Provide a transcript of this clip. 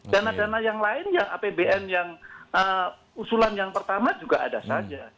dana dana yang lain yang apbn yang usulan yang pertama juga ada saja